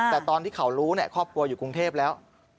แต่ตอนที่เขารู้ครอบครัวอยู่กรุงเทพแล้ว